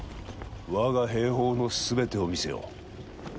我が兵法の全てを見せよう。